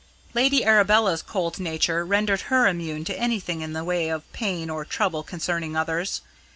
Lady Arabella's cold nature rendered her immune to anything in the way of pain or trouble concerning others.